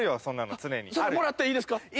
そんなの常にそれもらっていいですか？